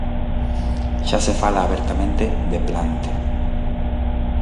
Xa se fala abertamente de "plante".